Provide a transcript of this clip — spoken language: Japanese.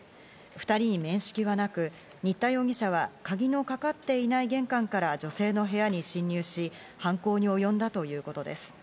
２人に面識はなく、新田容疑者は鍵のかかっていない玄関から女性の部屋に侵入し、犯行におよんだということです。